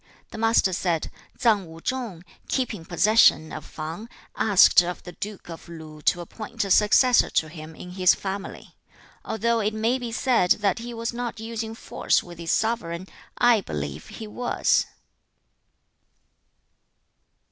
The Master said, 'Tsang Wu chung, keeping possession of Fang, asked of the duke of Lu to appoint a successor to him in his family. Although it may be said that he was not using force with his sovereign, I believe he was.'